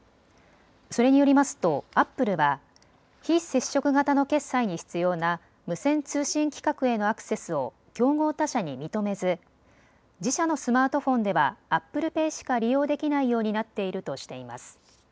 それによりますとアップルは非接触型の決済に必要な無線通信規格へのアクセスを競合他社に認めず自社のスマートフォンではアップルペイしか利用できないようになっているとしています。